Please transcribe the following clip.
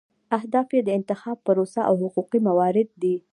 اهداف یې د انتخاب پروسه او حقوقي موارد دي.